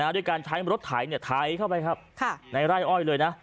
ด้วยการใช้รถไถเข้าไปครับในไร่อ้อยเลยนะ